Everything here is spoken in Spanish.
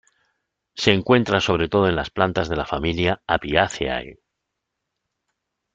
Se encuentra sobre todo en las plantas de la familia "Apiaceae".